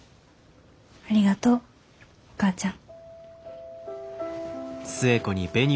ありがとうお母ちゃん。